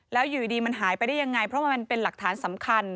แล้วอยู่ดีมันหายไปได้ยังไงเพราะมันเป็นหลักฐานสำคัญ